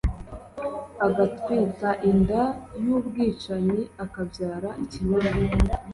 agatwita inda y'ubwicanyi, akabyara ikinyoma